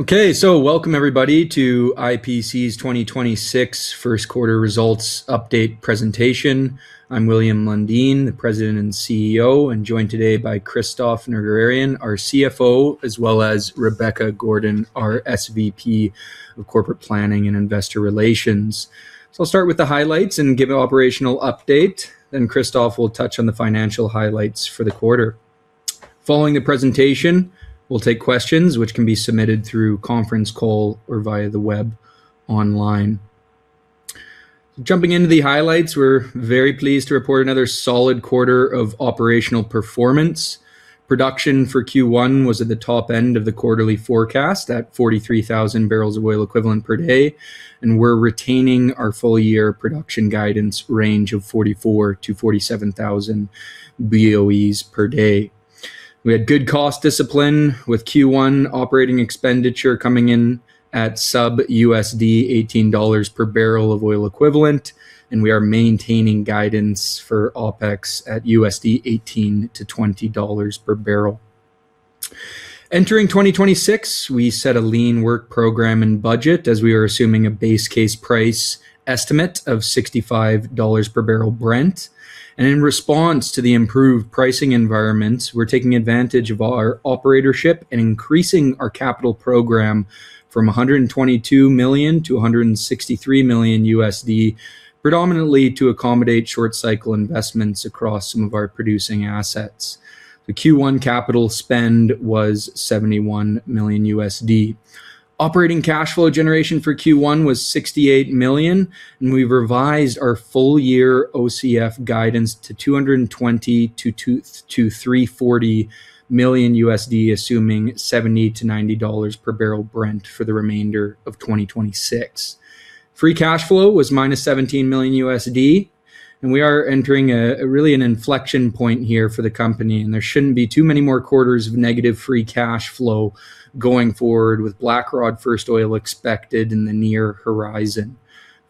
Welcome everybody to IPC's 2026 first quarter results update presentation. I'm William Lundin, the President and CEO, and joined today by Christophe Nerguararian, our CFO, as well as Rebecca Gordon, our SVP Corporate Planning and Investor Relations. I'll start with the highlights and give an operational update, then Christophe will touch on the financial highlights for the quarter. Following the presentation, we'll take questions which can be submitted through conference call or via the web online. Jumping into the highlights, we're very pleased to report another solid quarter of operational performance. Production for Q1 was at the top end of the quarterly forecast at 43,000 bbl of oil equivalent per day, and we're retaining our full year production guidance range of 44,000-47,000 BOEs/day. We had good cost discipline with Q1 operating expenditure coming in at sub $18 barrel of oil equivalent. We are maintaining guidance for OpEx at $18-$20/bbl. Entering 2026, we set a lean work program and budget as we are assuming a base case price estimate of $65/bbl Brent. In response to the improved pricing environments, we're taking advantage of our operatorship and increasing our capital program from $122 million-$163 million, predominantly to accommodate short cycle investments across some of our producing assets. The Q1 capital spend was $71 million. Operating Cash Flow generation for Q1 was $68 million, and we revised our full year OCF guidance to $220 million-$340 million, assuming $70-$90/bbl Brent for the remainder of 2026. free cash flow was $-17 million, and we are entering a, really an inflection point here for the company, and there shouldn't be too many more quarters of negative free cash flow going forward with Blackrod first oil expected in the near horizon.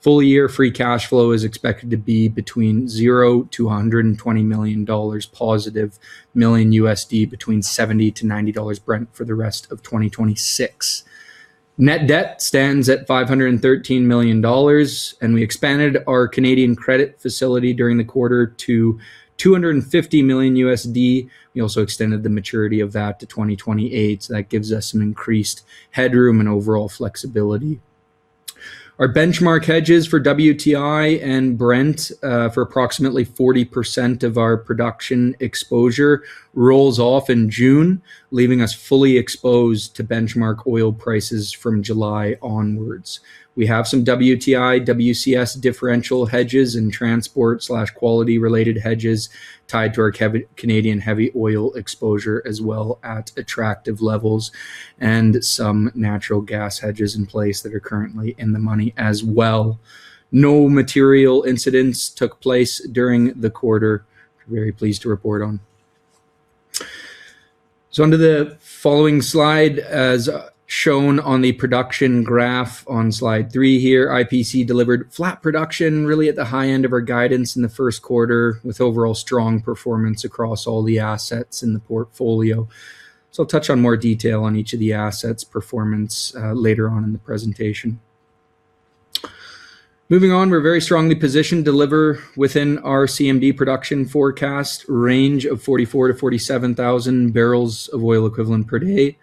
Full year free cash flow is expected to be between $0 million-$120 million positive between $70-$90 Brent for the rest of 2026. Net Debt stands at $513 million, and we expanded our Canadian credit facility during the quarter to $250 million. We also extended the maturity of that to 2028, that gives us some increased headroom and overall flexibility. Our benchmark hedges for WTI and Brent, for approximately 40% of our production exposure rolls off in June, leaving us fully exposed to benchmark oil prices from July onwards. We have some WTI, WCS differential hedges and transport/quality related hedges tied to our Canadian heavy oil exposure as well at attractive levels, and some natural gas hedges in place that are currently in the money as well. No material incidents took place during the quarter. Very pleased to report on. Under the following slide, as shown on the production graph on slide three here, IPC delivered flat production really at the high end of our guidance in the first quarter, with overall strong performance across all the assets in the portfolio. I'll touch on more detail on each of the assets' performance later on in the presentation. Moving on, we're very strongly positioned to deliver within our CMD production forecast range of 44,000-47,000/day.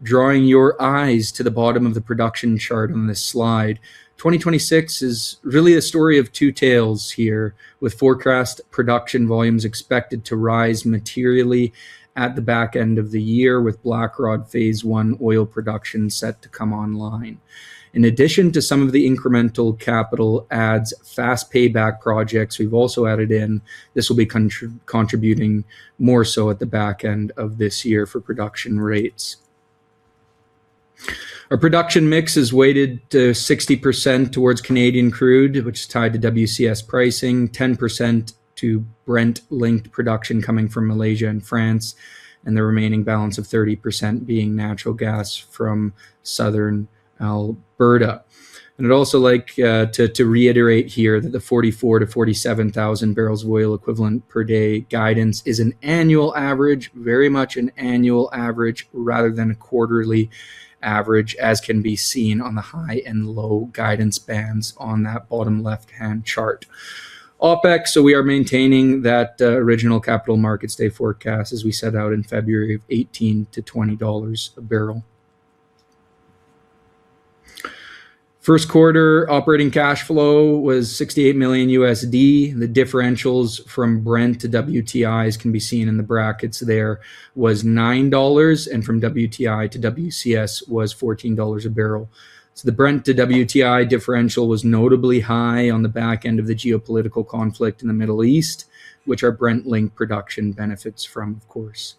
Drawing your eyes to the bottom of the production chart on this slide, 2026 is really a story of two tales here, with forecast production volumes expected to rise materially at the back end of the year with Blackrod Phase I oil production set to come online. In addition to some of the incremental capital adds fast payback projects we've also added in, this will be contributing more so at the back end of this year for production rates. Our production mix is weighted to 60% towards Canadian crude, which is tied to WCS pricing, 10% to Brent linked production coming from Malaysia and France, and the remaining balance of 30% being natural gas from Southern Alberta. I'd also like to reiterate here that the 44,000-47,000 barrels of oil equivalent per day guidance is an annual average, very much an annual average rather than a quarterly average, as can be seen on the high and low guidance bands on that bottom left-hand chart. OpEx, we are maintaining that original Capital Markets Day forecast as we set out in February of 2018 $18-$20/bbl. First quarter Operating Cash Flow was $68 million, The differentials from Brent to WTI, as can be seen in the brackets there, was $9, and from WTI to WCS was $14/bbl. The Brent to WTI differential was notably high on the back end of the geopolitical conflict in the Middle East, which our Brent link production benefits from, of course.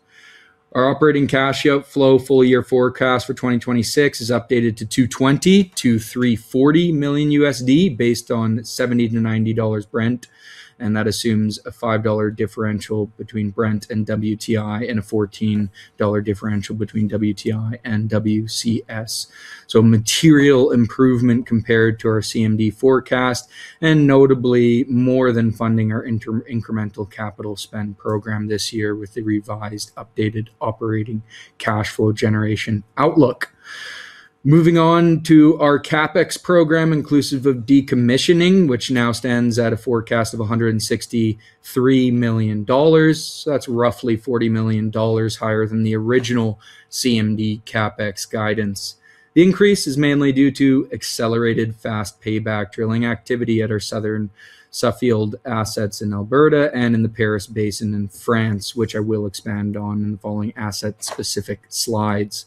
Our Operating Cash Flow full year forecast for 2026 is updated to $220 million-$340 million based on $70-$90 Brent, That assumes a $5 differential between Brent and WTI and a $14 differential between WTI and WCS. Material improvement compared to our CMD forecast, and notably more than funding our inter- incremental capital spend program this year with the revised updated operating cash flow generation outlook. Moving on to our CapEx program, inclusive of decommissioning, which now stands at a forecast of $163 million. That's roughly $40 million higher than the original CMD CapEx guidance. The increase is mainly due to accelerated fast payback drilling activity at our southern Suffield assets in Alberta and in the Paris Basin in France, which I will expand on in the following asset-specific slides.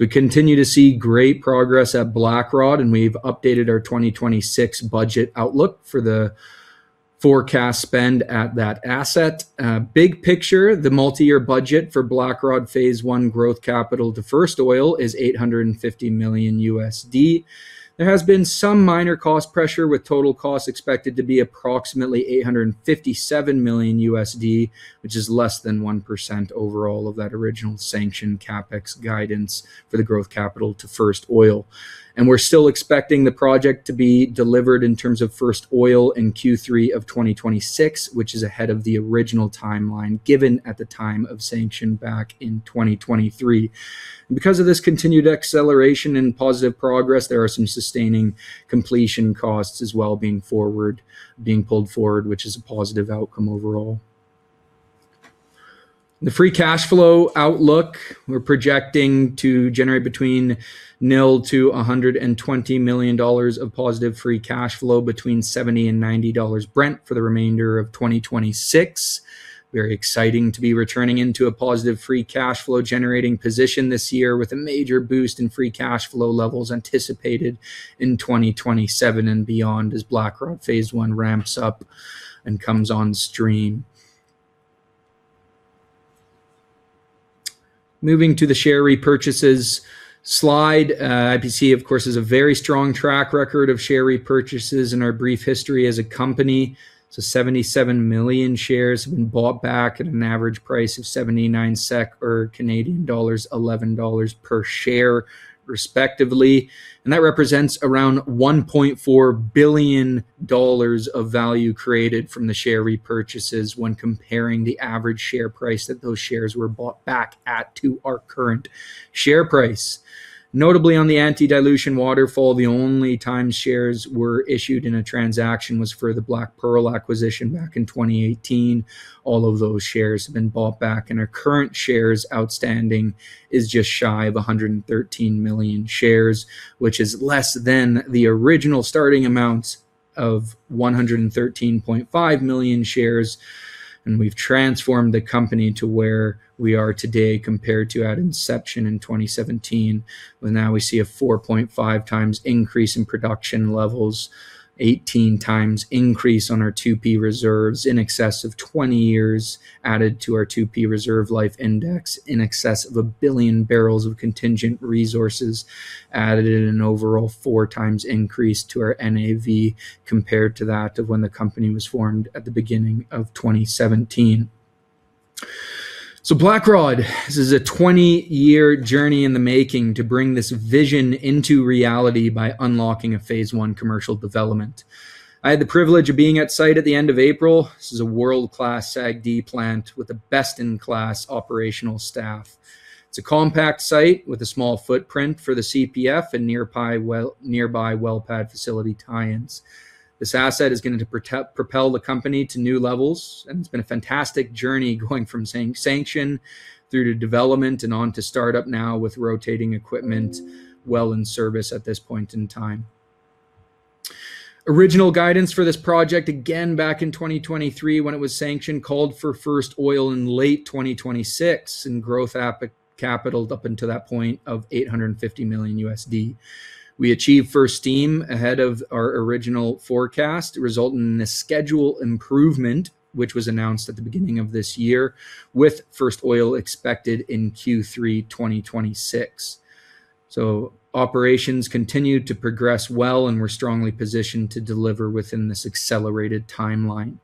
We continue to see great progress at Blackrod, and we've updated our 2026 budget outlook for the forecast spend at that asset. Big picture, the multi-year budget for Blackrod Phase I growth capital to first oil is $850 million. There has been some minor cost pressure with total costs expected to be approximately $857 million, which is less than 1% overall of that original sanctioned CapEx guidance for the growth capital to first oil. We are still expecting the project to be delivered in terms of first oil in Q3 of 2026, which is ahead of the original timeline given at the time of sanction back in 2023. Because of this continued acceleration and positive progress, there are some sustaining completion costs as well being pulled forward, which is a positive outcome overall. The free cash flow outlook, we are projecting to generate between nil to $120 million of positive free cash flow between $70 and $90 Brent for the remainder of 2026. Very exciting to be returning into a positive free cash flow generating position this year with a major boost in free cash flow levels anticipated in 2027 and beyond as Blackrod Phase I ramps up and comes on stream. Moving to the share repurchases slide, IPC of course has a very strong track record of share repurchases in our brief history as a company. 77 million shares have been bought back at an average price of 79 SEK or CAD 79, Canadian dollars 11 per share respectively. That represents around 1.4 billion dollars of value created from the share repurchases when comparing the average share price that those shares were bought back at to our current share price. Notably on the anti-dilution waterfall, the only time shares were issued in a transaction was for the BlackPearl acquisition back in 2018. All of those shares have been bought back and our current shares outstanding is just shy of 113 million shares, which is less than the original starting amounts of 113.5 million shares. We've transformed the company to where we are today compared to at inception in 2017. Well now we see a four point five times increase in production levels, 18 times increase on our 2P reserves in excess of 20 years added to our 2P reserve life index in excess of 1 BBbbl of contingent resources added in an overall four times increase to our NAV compared to that of when the company was formed at the beginning of 2017. Blackrod, this is a 20-year journey in the making to bring this vision into reality by unlocking a phase I commercial development. I had the privilege of being at site at the end of April. This is a world class SAGD plant with the best in class operational staff. It's a compact site with a small footprint for the CPF and nearby well pad facility tie-ins. This asset is going to propel the company to new levels and it's been a fantastic journey going from sanction through to development and on to startup now with rotating equipment well in service at this point in time. Original guidance for this project again back in 2023 when it was sanctioned called for first oil in late 2026 and growth capital up until that point of $850 million. We achieved first steam ahead of our original forecast resulting in a schedule improvement which was announced at the beginning of this year with first oil expected in Q3 2026. Operations continue to progress well and we're strongly positioned to deliver within this accelerated timeline.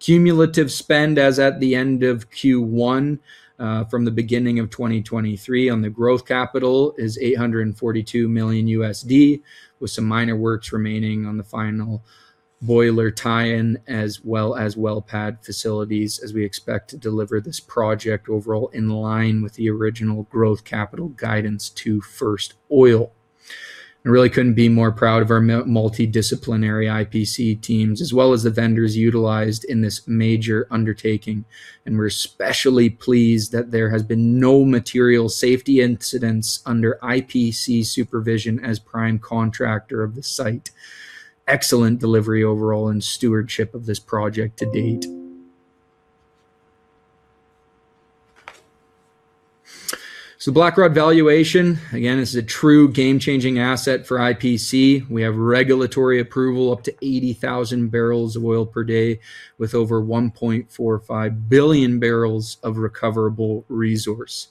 Cumulative spend as at the end of Q1 from the beginning of 2023 on the growth capital is $842 million with some minor works remaining on the final boiler tie-in as well as well pad facilities as we expect to deliver this project overall in line with the original growth capital guidance to first oil. I really couldn't be more proud of our multidisciplinary IPC teams as well as the vendors utilized in this major undertaking and we're especially pleased that there has been no material safety incidents under IPC supervision as prime contractor of the site. Excellent delivery overall and stewardship of this project to date. Blackrod valuation again is a true game-changing asset for IPC. We have regulatory approval up to 80,000 bbl of oil per day with over 1.45 BBbbl of recoverable resource.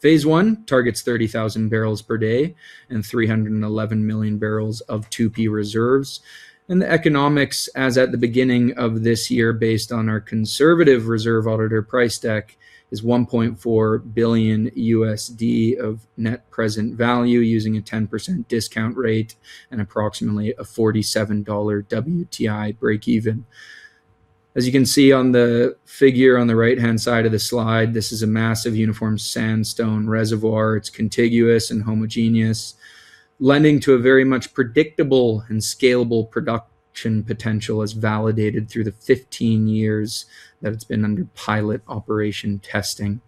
Phase I targets 30,000 bpd and 311 MMbbl of 2P reserves and the economics as at the beginning of this year based on our conservative reserve auditor price deck is $1.4 billion of net present value using a 10% discount rate and approximately a $47 WTI break-even. As you can see on the figure on the right-hand side of the slide, this is a massive uniform sandstone reservoir. It's contiguous and homogeneous, lending to a very much predictable and scalable production potential as validated through the 15 years that it's been under pilot operation testing.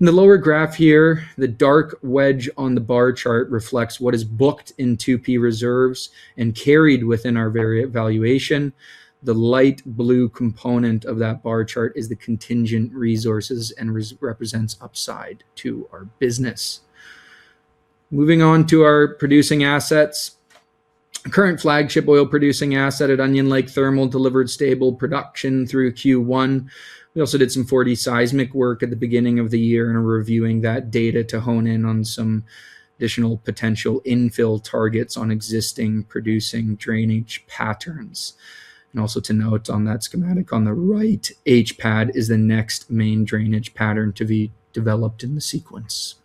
In the lower graph here, the dark wedge on the bar chart reflects what is booked in 2P reserves and carried within our valuation. The light blue component of that bar chart is the contingent resources and represents upside to our business. Moving on to our producing assets. Current flagship oil-producing asset at Onion Lake Thermal delivered stable production through Q1. We also did some 4D seismic work at the beginning of the year and are reviewing that data to hone in on some additional potential infill targets on existing producing drainage patterns. Also to note on that schematic on the right, H pad is the next main drainage pattern to be developed in the sequence.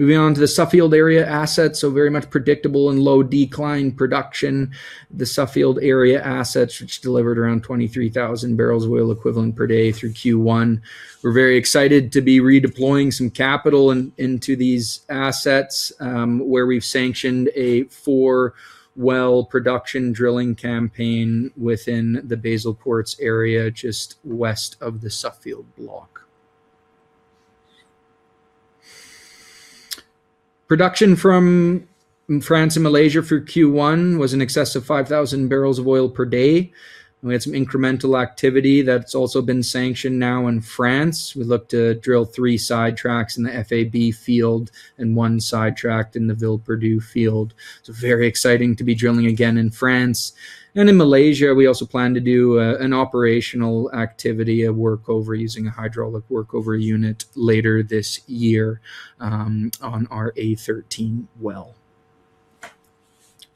Moving on to the Suffield Area assets, very much predictable and low decline production. The Suffield Area assets, which delivered around 23,000 BOE/day through Q1. We're very excited to be redeploying some capital into these assets, where we've sanctioned a four-well production drilling campaign within the Basal Quartz area just west of the Suffield block. Production from France and Malaysia for Q1 was in excess of 5,000 bbl of oil per day. We had some incremental activity that's also been sanctioned now in France. We look to drill three sidetracks in the FAB field and one sidetrack in the Villeperdue field. It's very exciting to be drilling again in France. In Malaysia, we also plan to do an operational activity, a workover using a hydraulic workover unit later this year on our A-13 well.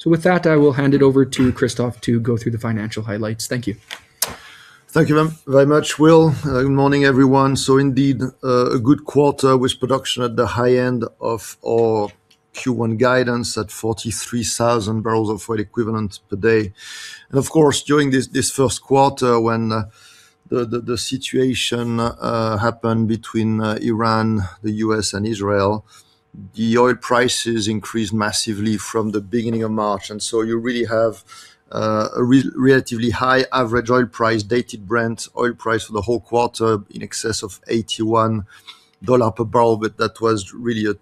With that, I will hand it over to Christophe to go through the financial highlights. Thank you. Thank you very much, Will. Good morning, everyone. Indeed, a good quarter with production at the high end of our Q1 guidance at 43,000 BOE/day. Of course, during this first quarter when the situation happened between Iran, the U.S., and Israel, the oil prices increased massively from the beginning of March. You really have a relatively high average oil price, Dated Brent oil price for the whole quarter in excess of $81/bbl. That was really a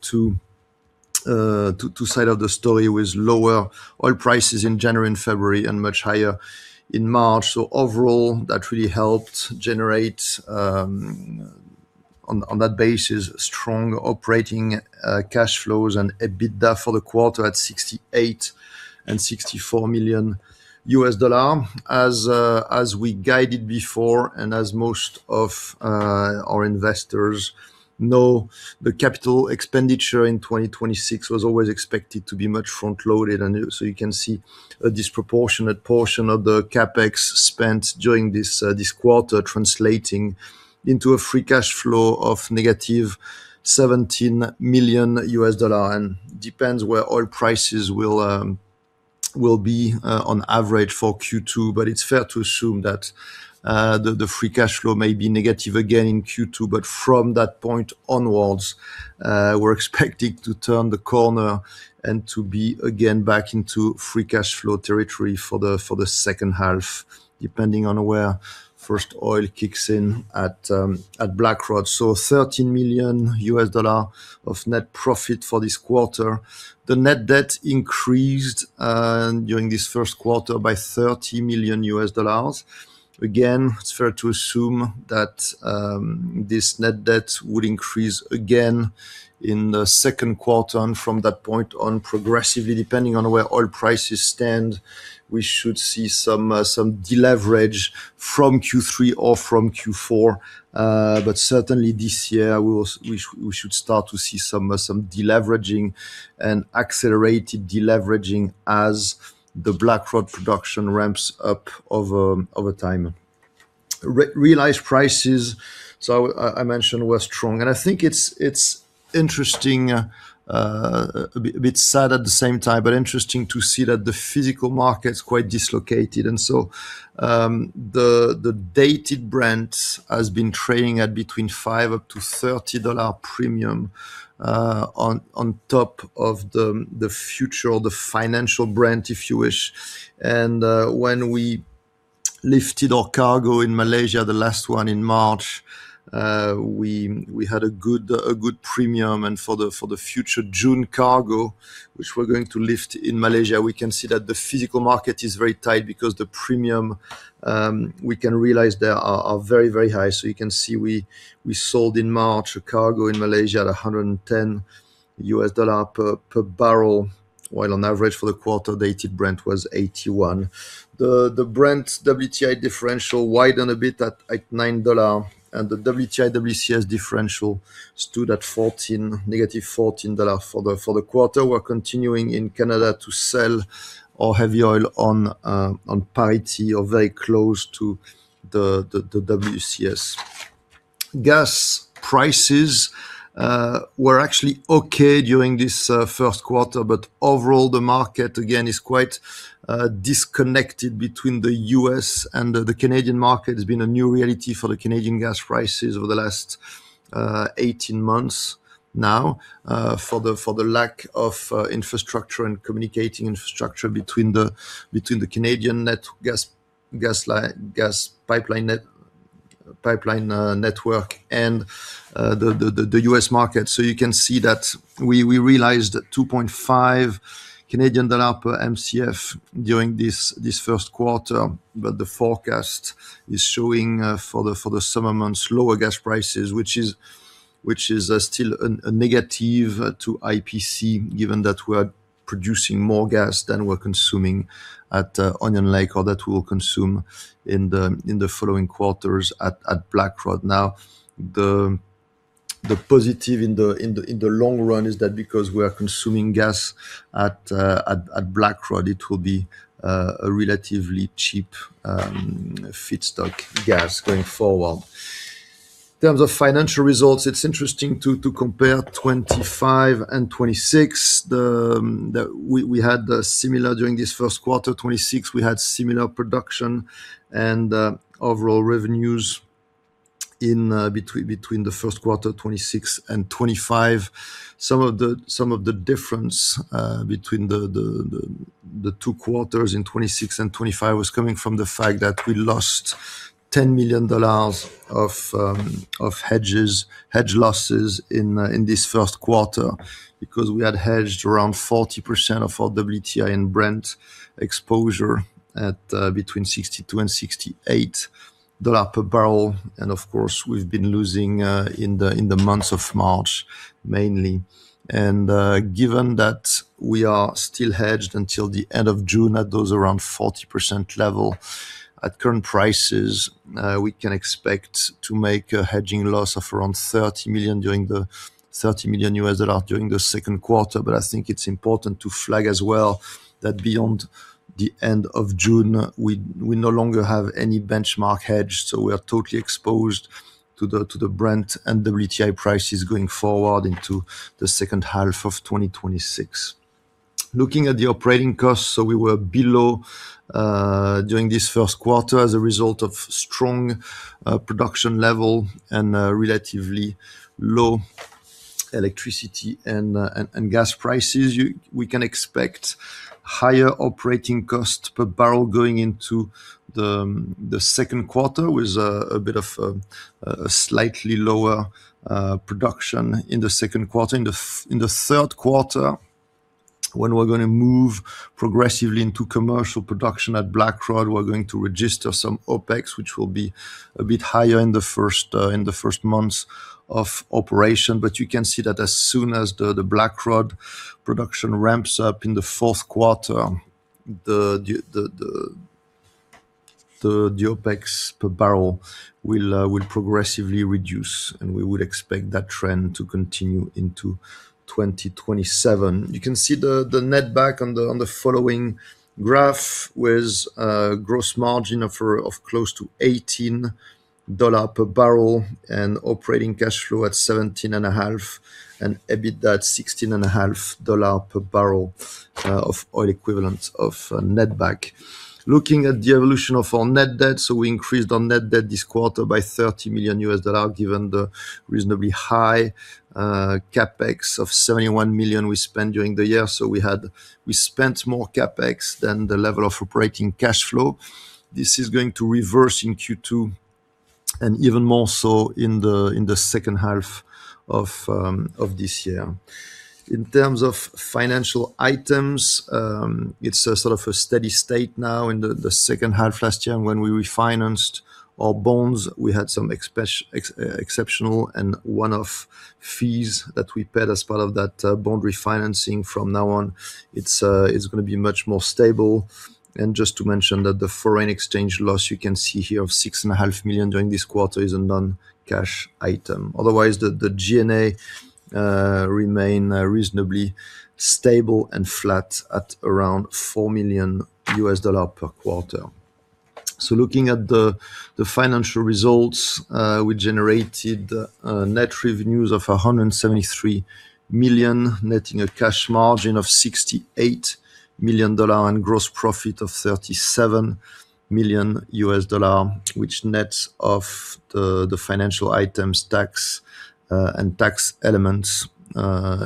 two side of the story with lower oil prices in January and February and much higher in March. Overall, that really helped generate on that basis, strong operating cash flows and EBITDA for the quarter at $68 million and $64 million. As we guided before and as most of our investors know, the capital expenditure in 2026 was always expected to be much front-loaded. You can see a disproportionate portion of the CapEx spent during this quarter translating into a free cash flow of $-17 million and depends where oil prices will be on average for Q2. It's fair to assume that the free cash flow may be negative again in Q2. From that point onwards, we're expecting to turn the corner and to be again back into free cash flow territory for the second half, depending on where first oil kicks in at Blackrod. $13 million of net profit for this quarter. The net debt increased, during this first quarter by $30 million. Again, it's fair to assume that, this net debt would increase again in the second quarter, and from that point on progressively, depending on where oil prices stand, we should see some deleverage from Q3 or from Q4. Certainly this year, we should start to see some deleveraging and accelerated deleveraging as the Blackrod production ramps up over time. Realized prices, so I mentioned, were strong. I think it's interesting, a bit, a bit sad at the same time, but interesting to see that the physical market's quite dislocated. The Dated Brent has been trading at between $5-$30 premium on top of the future or the financial Brent, if you wish. When we lifted our cargo in Malaysia, the last one in March, we had a good premium. For the future June cargo, which we're going to lift in Malaysia, we can see that the physical market is very tight because the premium we can realize there are very high. You can see we sold in March a cargo in Malaysia at $110/bbl, while on average for the quarter, the Dated Brent was $81. The Brent WTI differential widened a bit at $9. The WTI WCS differential stood at $-14 for the quarter. We're continuing in Canada to sell our heavy oil on parity or very close to the WCS. Gas prices were actually okay during this first quarter. Overall, the market again is quite disconnected between the U.S. and the Canadian market. It's been a new reality for the Canadian gas prices over the last 18 months now, for the lack of infrastructure and communicating infrastructure between the Canadian net gas pipeline network and the U.S. market. You can see that we realized 2.5 Canadian dollar/Mcf during this first quarter, but the forecast is showing for the summer months lower gas prices, which is still a negative to IPC, given that we are producing more gas than we're consuming at Onion Lake or that we will consume in the following quarters at Blackrod. The positive in the long run is that because we are consuming gas at Blackrod, it will be a relatively cheap feedstock gas going forward. In terms of financial results, it's interesting to compare 2025 and 2026. We had similar during this first quarter. 2026 we had similar production and overall revenues between the first quarter 2026 and 2025. Some of the difference between the two quarters in 2026 and 2025 was coming from the fact that we lost $10 million of hedges, hedge losses in this first quarter because we had hedged around 40% of our WTI and Brent exposure at between $62 and $68/bbl. Of course, we've been losing in the months of March mainly. Given that we are still hedged until the end of June at those around 40% level, at current prices, we can expect to make a hedging loss of around $30 million during the second quarter. I think it's important to flag as well that beyond the end of June, we no longer have any benchmark hedge, so we are totally exposed to the Brent and WTI prices going forward into the second half of 2026. Looking at the operating costs, we were below during this first quarter as a result of strong production level and relatively low electricity and gas prices. We can expect higher operating costs per barrel going into the second quarter with a bit of slightly lower production in the second quarter. In the third quarter, when we're going to move progressively into commercial production at Blackrod, we're going to register some OpEx, which will be a bit higher in the first months of operation. You can see that as soon as the Blackrod production ramps up in the fourth quarter, the OpEx per barrel will progressively reduce, and we would expect that trend to continue into 2027. You can see the Netback on the following graph with a gross margin of close to $18/bbl and Operating Cash Flow at $17.5 and EBITDA at $16.5 per barrel of oil equivalent of Netback. Looking at the evolution of our Net Debt, we increased our Net Debt this quarter by $30 million, given the reasonably high CapEx of $71 million we spent during the year. We spent more CapEx than the level of Operating Cash Flow. This is going to reverse in Q2 and even more so in the second half of this year. In terms of financial items, it's a sort of a steady state now. In the second half last year when we refinanced our bonds, we had some exceptional and one-off fees that we paid as part of that bond refinancing. From now on, it's gonna be much more stable. Just to mention that the foreign exchange loss you can see here of $6.5 million during this quarter is a non-cash item. Otherwise, the G&A remain reasonably stable and flat at around $4 million per quarter. Looking at the financial results, we generated net revenues of $173 million, netting a cash margin of $68 million and gross profit of $37 million, which nets off the financial items tax and tax elements,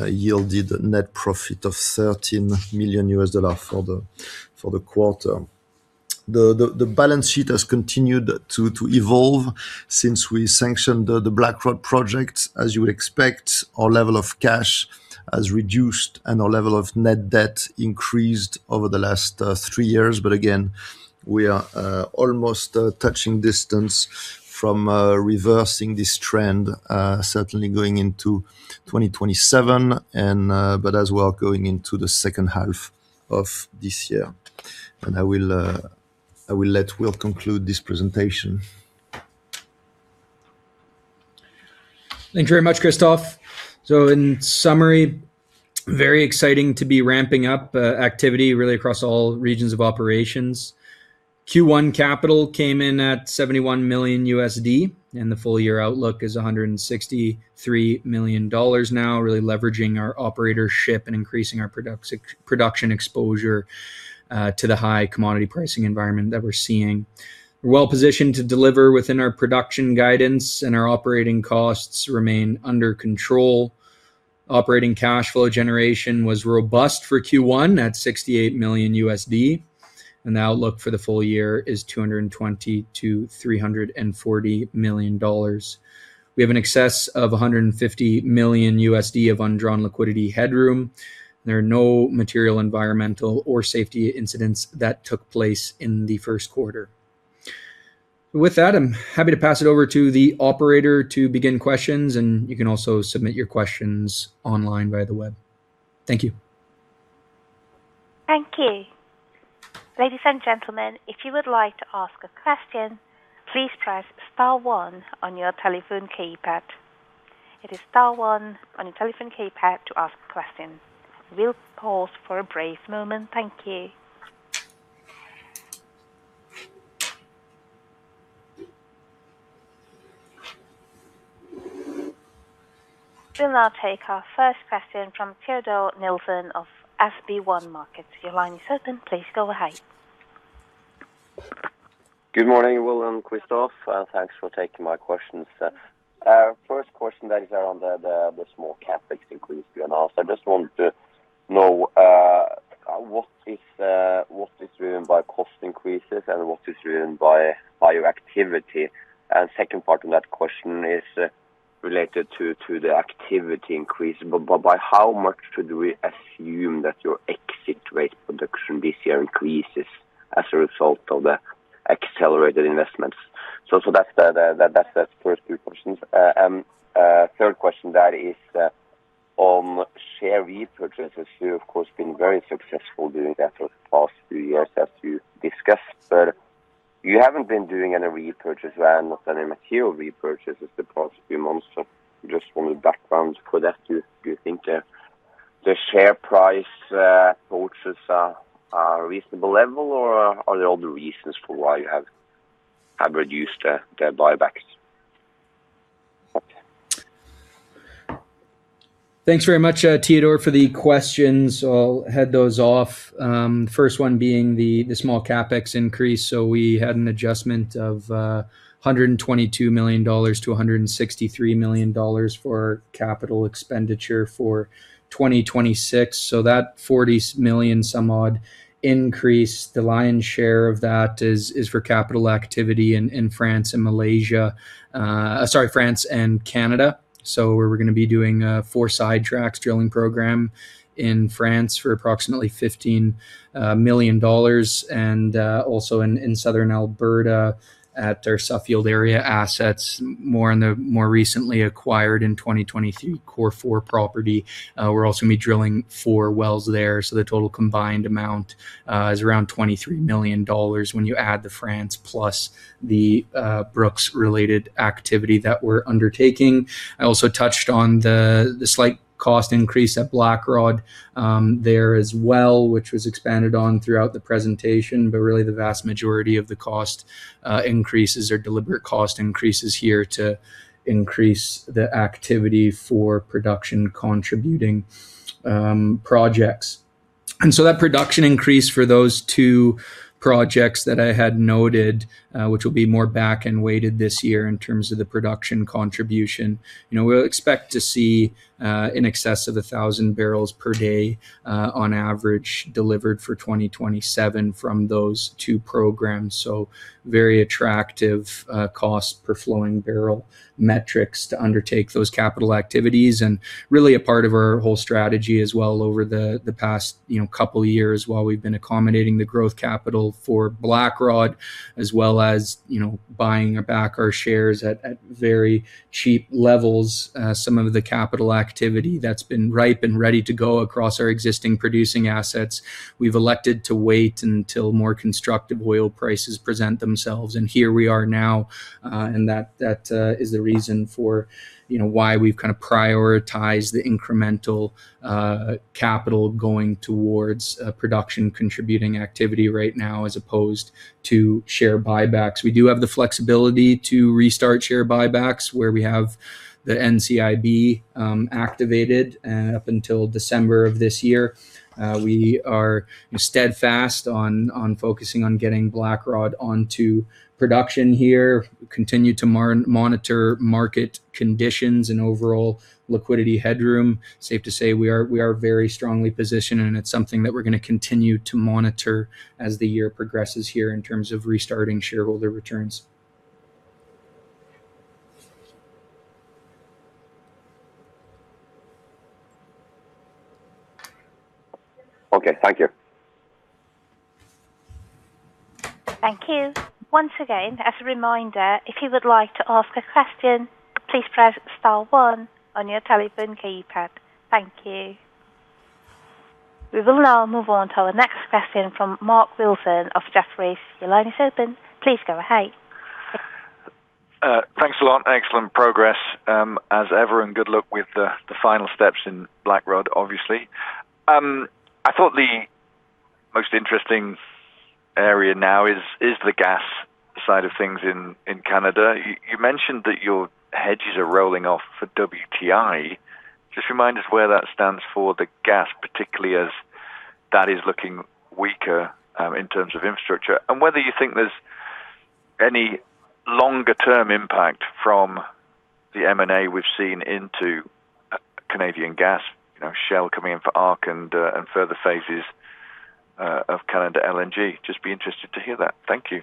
yielded net profit of $13 million for the quarter. The balance sheet has continued to evolve since we sanctioned the Blackrod project. As you would expect, our level of cash has reduced and our level of Net Debt increased over the last three years. Again, we are almost touching distance from reversing this trend, certainly going into 2027 and but as we are going into the second half of this year. I will let Will conclude this presentation. Thanks very much, Christophe. In summary, very exciting to be ramping up activity really across all regions of operations. Q1 capital came in at $71 million, and the full year outlook is $163 million now, really leveraging our operatorship and increasing our production exposure to the high commodity pricing environment that we're seeing. We're well-positioned to deliver within our production guidance, and our operating costs remain under control. Operating Cash Flow generation was robust for Q1 at $68 million, and the outlook for the full year is $220 million-$340 million. We have an excess of $150 million of undrawn liquidity headroom. There are no material environmental or safety incidents that took place in the first quarter. With that, I'm happy to pass it over to the operator to begin questions, and you can also submit your questions online via the web. Thank you. Thank you. Ladies and gentlemen, if you would like to ask a question, please press star one on your telephone keypad. It is star one on your telephone keypad to ask a question. We will pause for a brief moment. Thank you. We will now take our first question from Teodor Nilsen of SB1 Markets. Your line is open. Please go ahead. Good morning, Will and Christophe. Thanks for taking my questions. Our first question that is around the small CapEx increase you announced. I just want to know what is driven by cost increases and what is driven by your activity? Second part of that question is related to the activity increase. By how much should we assume that your exit rate production this year increases as a result of the accelerated investments? That's first two questions. Third question that is on share repurchases. You, of course, been very successful doing that for the past few years, as you discussed. You haven't been doing any repurchase or not any material repurchases the past few months. Just want the background for that. Do you think the share price approaches a reasonable level, or are there other reasons for why you have reduced the buybacks? Thanks very much, Teodor, for the questions. I'll head those off. First one being the small CapEx increase. We had an adjustment of $122 million-$163 million for capital expenditure for 2026. That $40 million increase, the lion's share of that is for capital activity in France and Canada. We're gonna be doing four sidetracks drilling program in France for approximately $15 million, and also in Southern Alberta at our Suffield area assets, more in the more recently acquired in 2023 Cor4 property. We're also gonna be drilling four wells there, so the total combined amount is around $23 million when you add the France plus the Brooks-related activity that we're undertaking. I also touched on the slight cost increase at Blackrod there as well, which was expanded on throughout the presentation. Really the vast majority of the cost increases or deliberate cost increases here to increase the activity for production contributing projects. That production increase for those two projects that I had noted, which will be more back-end weighted this year in terms of the production contribution, you know, we'll expect to see in excess of 1,000 bpd on average delivered for 2027 from those two programs. Very attractive cost per flowing barrel metrics to undertake those capital activities. Really a part of our whole strategy as well over the past, you know, couple years while we've been accommodating the growth capital for Blackrod, as well as, you know, buying back our shares at very cheap levels. Some of the capital activity that's been ripe and ready to go across our existing producing assets, we've elected to wait until more constructive oil prices present themselves, and here we are now. That is the reason for, you know, why we've kind of prioritized the incremental capital going towards a production contributing activity right now as opposed to share buybacks. We do have the flexibility to restart share buybacks where we have the NCIB activated up until December of this year. We are steadfast on focusing on getting Blackrod onto production here. We continue to monitor market conditions and overall liquidity headroom. Safe to say we are very strongly positioned, and it's something that we're gonna continue to monitor as the year progresses here in terms of restarting shareholder returns. Okay. Thank you. Thank you. Once again, as a reminder, if you would like to ask a question, please press star one on your telephone keypad. Thank you. We will now move on to our next question from Mark Wilson of Jefferies. Your line is open. Please go ahead. Thanks a lot. Excellent progress, as ever, and good luck with the final steps in Blackrod, obviously. I thought the most interesting area now is the gas side of things in Canada. You mentioned that your hedges are rolling off for WTI. Just remind us where that stands for the gas, particularly as that is looking weaker in terms of infrastructure. Whether you think there's any longer term impact from the M&A we've seen into Canadian gas, you know, Shell coming in for ARC and further phases of LNG Canada. Just be interested to hear that. Thank you.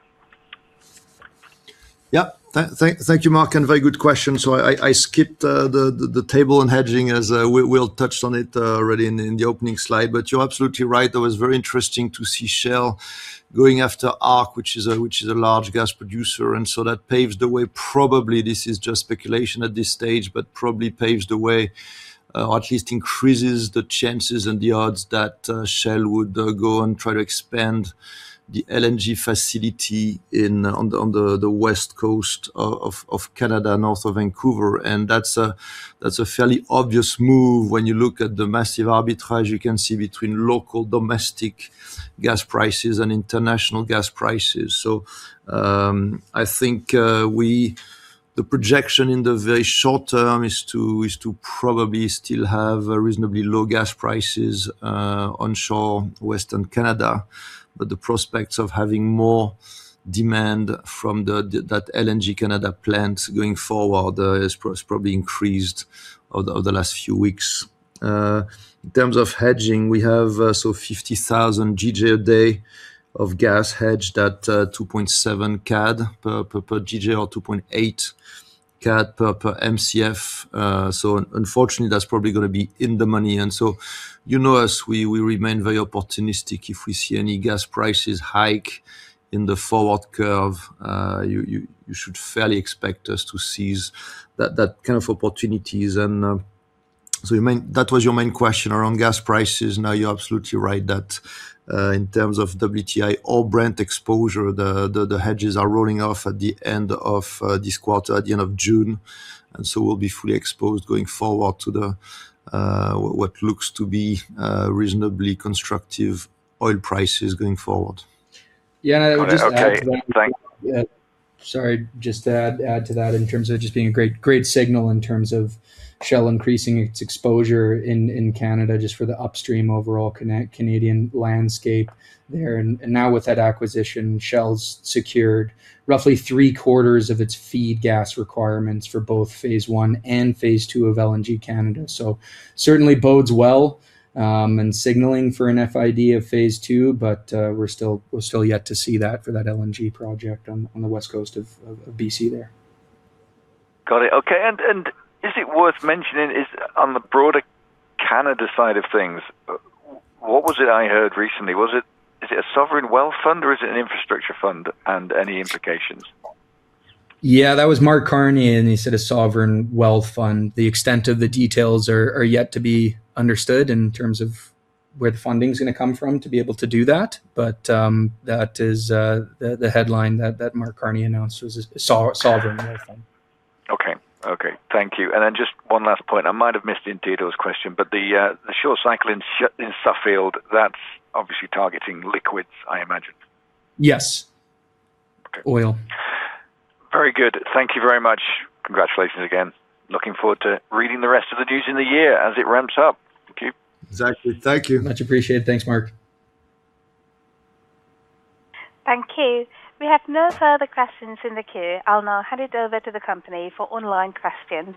Thank you, Mark, and very good question. I skipped the table on hedging as Will touched on it already in the opening slide, but you're absolutely right. That was very interesting to see Shell going after ARC, which is a large gas producer, that paves the way, probably this is just speculation at this stage, but probably paves the way or at least increases the chances and the odds that Shell would go and try to expand the LNG facility on the west coast of Canada, north of Vancouver. That's a fairly obvious move when you look at the massive arbitrage you can see between local domestic gas prices and international gas prices. The projection in the very short term is to probably still have reasonably low gas prices, onshore Western Canada, but the prospects of having more demand from that LNG Canada plant going forward has probably increased over the last few weeks. In terms of hedging, we have 50,000 GJ a day of gas hedged at 2.7 CAD per GJ or 2.8 CAD per Mcf. Unfortunately, that's probably gonna be in the money. You know us, we remain very opportunistic. If we see any gas prices hike in the forward curve, you should fairly expect us to seize that kind of opportunities. That was your main question around gas prices. No, you're absolutely right that, in terms of WTI or Brent exposure, the hedges are rolling off at the end of this quarter, at the end of June. We'll be fully exposed going forward to what looks to be reasonably constructive oil prices going forward. Yeah, I would just add to that. Got it. Okay, thanks. Yeah. Sorry, just to add to that in terms of just being a great signal in terms of Shell increasing its exposure in Canada, just for the upstream overall Canadian landscape there. Now with that acquisition, Shell's secured roughly three quarters of its feed gas requirements for both phase I and phase II of LNG Canada. Certainly bodes well and signaling for an FID of phase II. We're still yet to see that for that LNG project on the west coast of B.C. there. Got it. Okay. Is it worth mentioning, on the broader Canada side of things, what was it I heard recently? Was it, is it a sovereign wealth fund or is it an infrastructure fund? Any implications. Yeah, that was Mark Carney, and he said a Sovereign Wealth Fund. The extent of the details are yet to be understood in terms of where the funding's gonna come from to be able to do that. That is the headline that Mark Carney announced was a Sovereign Wealth Fund. Okay. Thank you. Just one last point. I might have missed in Teodor's question, but the short cycle in Suffield, that's obviously targeting liquids, I imagine? Yes. Okay. Oil. Very good. Thank you very much. Congratulations again. Looking forward to reading the rest of the news in the year as it ramps up. Thank you. Exactly. Thank you. Much appreciated. Thanks, Mark. Thank you. We have no further questions in the queue. I'll now hand it over to the company for online questions.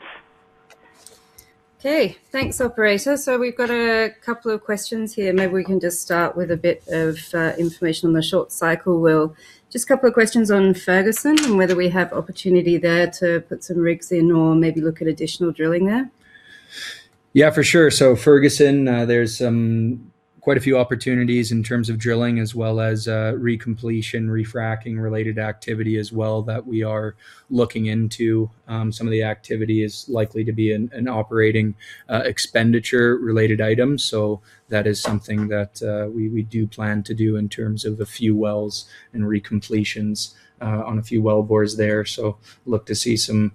Okay. Thanks, operator. We've got a couple of questions here. Maybe we can just start with a bit of information on the short cycle. Well, just a couple of questions on Ferguson and whether we have opportunity there to put some rigs in or maybe look at additional drilling there. Yeah, for sure. Ferguson, there's quite a few opportunities in terms of drilling as well as recompletion, refracking related activity as well that we are looking into. Some of the activity is likely to be an operating expenditure related item. That is something that we do plan to do in terms of a few wells and recompletions on a few well bores there. Look to see some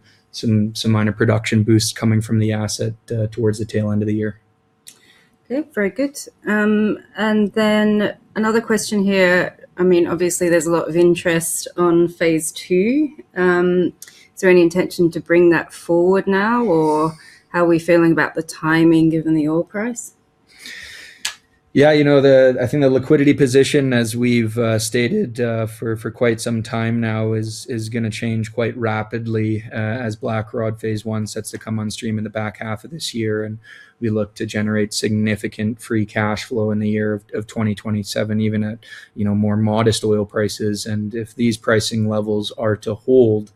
minor production boosts coming from the asset towards the tail end of the year. Okay. Very good. Another question here. I mean, obviously there's a lot of interest on phase II. Is there any intention to bring that forward now, or how are we feeling about the timing given the oil price? Yeah, you know, I think the liquidity position, as we've stated, for quite some time now, is gonna change quite rapidly, as Blackrod Phase I sets to come on stream in the back half of this year. We look to generate significant free cash flow in the year of 2027, even at, you know, more modest oil prices. If these pricing levels are to hold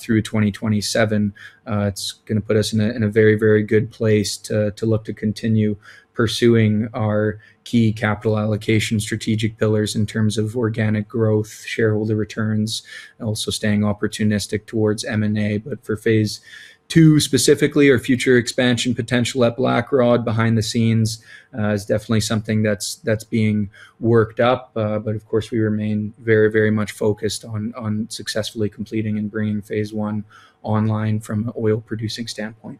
through 2027, it's gonna put us in a very good place to look to continue pursuing our key capital allocation strategic pillars in terms of organic growth, shareholder returns, and also staying opportunistic towards M&A. For phase II specifically or future expansion potential at Blackrod behind the scenes, is definitely something that's being worked up. Of course we remain very much focused on successfully completing and bringing phase I online from an oil producing standpoint.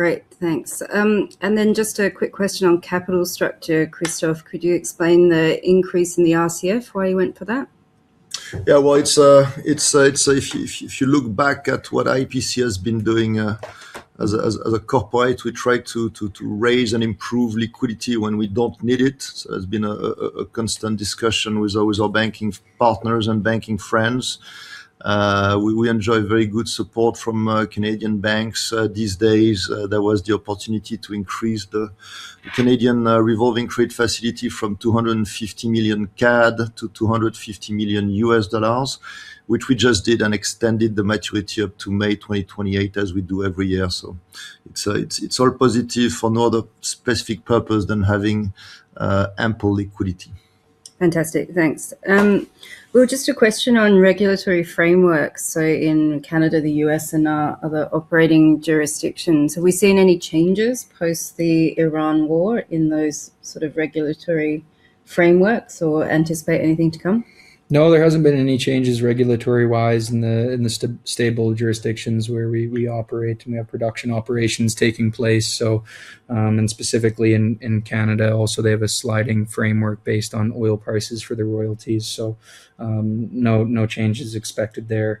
Great. Thanks. Then just a quick question on capital structure, Christophe. Could you explain the increase in the RCF, why you went for that? Well, it's if you look back at what IPC has been doing as a corporate, we try to raise and improve liquidity when we don't need it. It's been a constant discussion with our banking partners and banking friends. We enjoy very good support from Canadian banks. These days, there was the opportunity to increase the Canadian revolving credit facility from 250 million CAD-$250 million, which we just did and extended the maturity up to May 2028, as we do every year. It's all positive for no other specific purpose than having ample liquidity. Fantastic. Thanks. Will, just a question on regulatory frameworks. In Canada, the U.S., and other operating jurisdictions, have we seen any changes post the Iran war in those sort of regulatory frameworks or anticipate anything to come? No, there hasn't been any changes regulatory-wise in the stable jurisdictions where we operate and we have production operations taking place. Specifically in Canada also, they have a sliding framework based on oil prices for the royalties. No, no changes expected there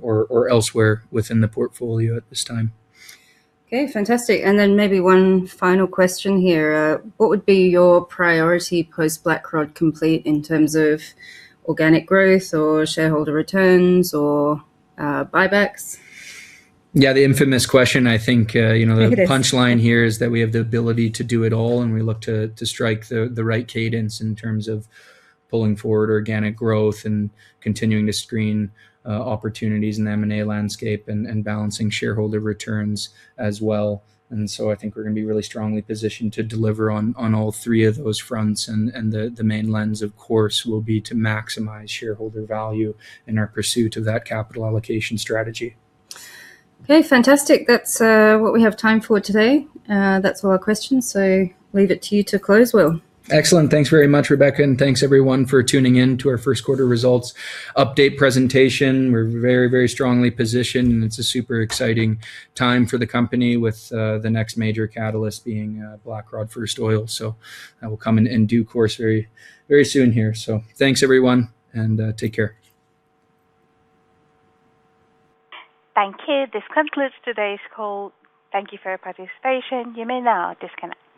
or elsewhere within the portfolio at this time. Okay. Fantastic. Maybe one final question here. What would be your priority post Blackrod complete in terms of organic growth or shareholder returns or buybacks? Yeah, the infamous question. I think, you know- I think it is.... the punchline here is that we have the ability to do it all, and we look to strike the right cadence in terms of pulling forward organic growth and continuing to screen opportunities in the M&A landscape and balancing shareholder returns as well. I think we're gonna be really strongly positioned to deliver on all three of those fronts. The main lens, of course, will be to maximize shareholder value in our pursuit of that capital allocation strategy. Okay, fantastic. That's what we have time for today. That's all our questions, so leave it to you to close, Will. Excellent. Thanks very much, Rebecca, and thanks everyone for tuning in to our first quarter results update presentation. We're very, very strongly positioned, and it's a super exciting time for the company with the next major catalyst being Blackrod first oil. That will come in due course very, very soon here. Thanks everyone, and take care. Thank you. This concludes today's call. Thank you for your participation. You may now disconnect.